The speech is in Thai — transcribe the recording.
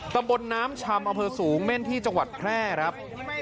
ตำบลน้ำชำอำเภอสูงเม่นที่จังหวัดแพร่ครับ